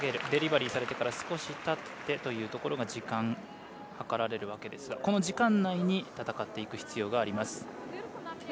デリバリーしてから少したってというところから時間計られるわけですがこの時間内に戦っていく必要があります。